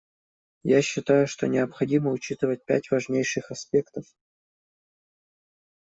Я считаю, что необходимо учитывать пять важнейших аспектов.